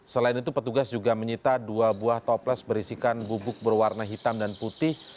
selain itu petugas juga menyita dua buah toples berisikan bubuk berwarna hitam dan putih